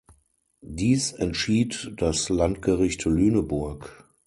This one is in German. Dies entschied das Landgericht Lüneburg.